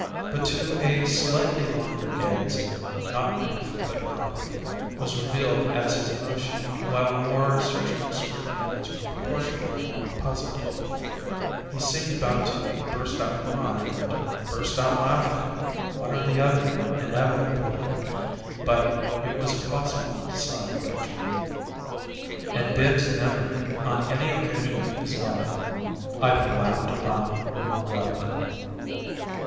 But to a slightly longer gaze, not grief, but mirth, was revealed as his emotion; while a more searching scrutiny was proportionately more puzzling he seemed about to burst out crying or to burst out laughing, one or the other, inevitably, but it was impossible to decide which. And Bibbs never, on any occasion of his life, either laughed aloud or wept.